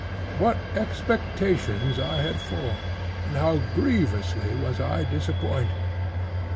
What expectations I had formed, and how grievously was I disappointed!